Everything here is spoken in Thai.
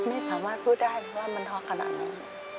ไม่สามารถพูดได้ว่ามันท็อกขนาดไหน